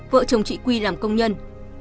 và chồng chị quy làm công nhân